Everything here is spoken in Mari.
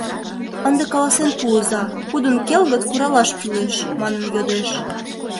Ынде каласен пуыза, кудын келгыт куралаш кӱлеш?» — манын йодеш.